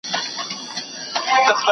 ¬ چرگ دي يم حلالوه مي مه.